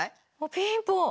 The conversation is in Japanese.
ピンポン！